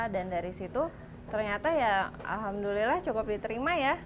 dan dari situ ternyata ya alhamdulillah cukup diterima ya